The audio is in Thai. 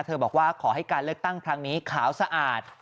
บอกว่าขอให้การเลือกตั้งครั้งนี้ขาวสะอาด